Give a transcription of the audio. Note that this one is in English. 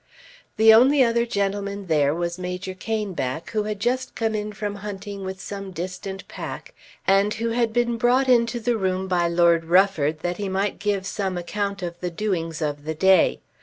The only other gentleman there was Major Caneback, who had just come in from hunting with some distant pack and who had been brought into the room by Lord Rufford that he might give some account of the doings of the day.